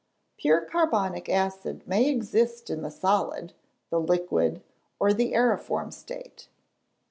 _ Pure carbonic acid may exist in the solid, the liquid, or the æriform state.